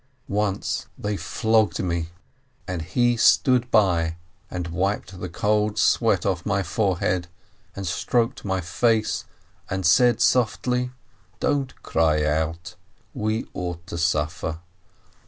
Once they flogged me, and he stood by and wiped the cold sweat off my forehead, and stroked my face, and said softly : "Don't cry out ! We ought to suffer